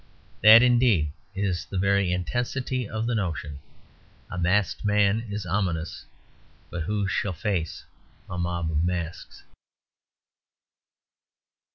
That, indeed, is the very intensity of the notion: a masked man is ominous; but who shall face a mob of masks?